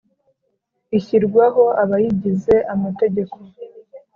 Ishyirwaho abayigize amategeko